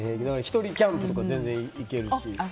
１人キャンプとか全然行けるし。